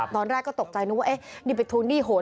ตอนแรกก็ตกใจนึกว่านี่ไปทุนหนี้โหด